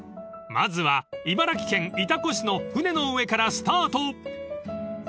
［まずは茨城県潮来市の船の上からスタート］